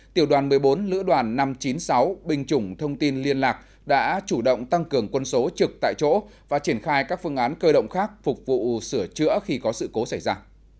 tiểu đoàn một mươi bốn lữ đoàn năm trăm chín mươi sáu binh chủng thông tin liên lạc đã chủ động tăng cường quân số trực tại chỗ và triển khai các phương án cơ động khác phục vụ sửa chữa khi có sự cố xảy ra